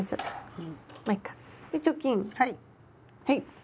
はい。